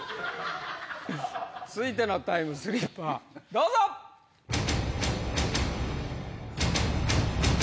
続いてのタイムスリッパーどうぞ！ハハハハ！